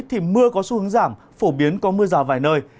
thì mưa có xu hướng giảm phổ biến có mưa rào vài nơi